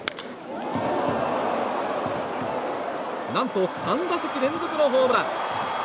何と３打席連続のホームラン。